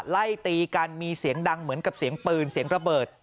ไล่ตีกันมีเสียงดังเหมือนกับเสียงปืนเสียงระเบิด